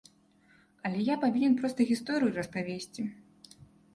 Але я павінен проста гісторыю распавесці.